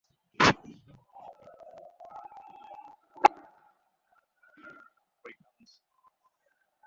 একপর্যায়ে টাস্কফোর্সের সদস্যরা কারখানা পরিদর্শনের জন্য বিজিএমইএর কাছে ধরনা দিতে শুরু করেন।